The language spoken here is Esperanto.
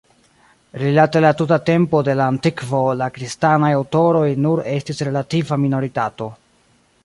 Rilate la tuta tempo de la antikvo la kristanaj aŭtoroj nur estis relativa minoritato.